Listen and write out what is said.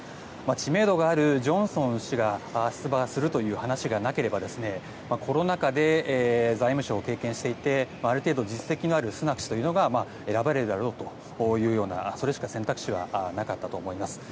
知名度があるジョンソン氏が出馬するという話がなければコロナ禍で財務相を経験していてある程度実績のあるスナク氏が選ばれるだろうというようなそれしか選択肢がなかったと思います。